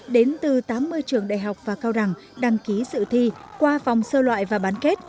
đến từ tám mươi trường đại học và cao đẳng đăng ký sự thi qua vòng sơ loại và bán kết